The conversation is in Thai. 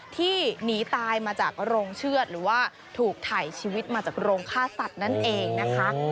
ที่หนีตายมาจากโรงเชือดหรือว่าถูกถ่ายชีวิตมาจากโรงฆ่าสัตว์นั่นเองนะคะ